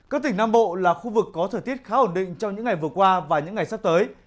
các tỉnh nam bộ là khu vực có thời tiết khá ổn định trong những ngày vừa qua và những ngày sắp tới